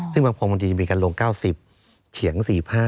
ซึ่งบางคนบางทีจะมีการลง๙๐เฉียง๔๕